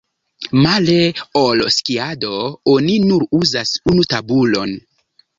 Male ol skiado oni nur uzas unu tabulon.